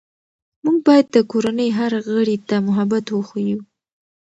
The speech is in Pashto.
موږ باید د کورنۍ هر غړي ته محبت وښیو